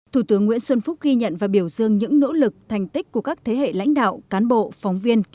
thủ tướng nguyễn xuân phúc ghi nhận và biểu dương những nỗ lực thành tích của các thế hệ lãnh đạo cán bộ